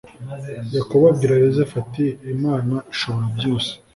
yakobo abwira yosefu ati imana ishoborabyose